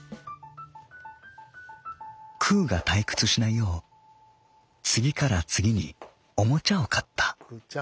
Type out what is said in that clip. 「くうが退屈しないよう次から次におもちゃを買った」。